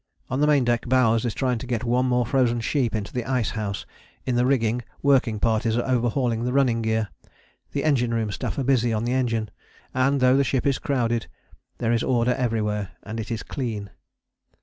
On the main deck Bowers is trying to get one more frozen sheep into the ice house, in the rigging working parties are overhauling the running gear. The engine room staff are busy on the engine, and though the ship is crowded there is order everywhere, and it is clean.